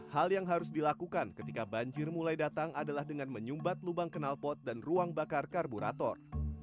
hal yang harus dilakukan ketika banjir mulai datang adalah dengan menyumbat lubang kenal pot dan ruang bakar karburator